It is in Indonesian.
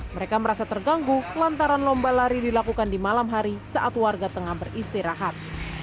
mereka merasa terganggu lantaran lomba lari dilakukan di malam hari saat warga tengah beristirahat